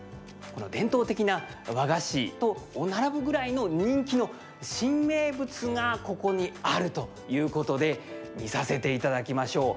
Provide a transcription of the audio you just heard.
伝統的な和菓子と並ぶぐらいの人気の新名物がここにあるということで見させていただきましょう。